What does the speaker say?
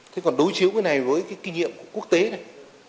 thế còn đối chiếu cái này với cái kinh nghiệm của quốc tế này